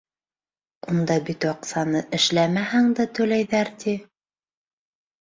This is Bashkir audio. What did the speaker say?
Унда бит аҡсаны эшләмәһәң дә түләйҙәр, ти.